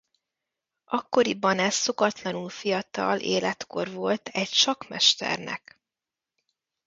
Akkoriban ez szokatlanul fiatal életkor volt egy sakkmesternek.